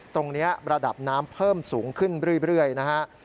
ตรงนี้ระดับน้ำเพิ่มสูงขึ้นเรื่อยนะฮะ